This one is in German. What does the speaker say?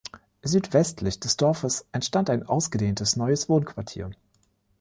Südwestlich des Dorfes entstand ein ausgedehntes neues Wohnquartier.